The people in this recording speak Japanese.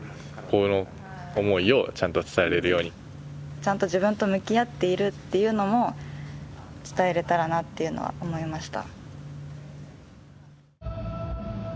ちゃんと自分と向き合っているっていうのも伝えられたらなっていうのは思いました。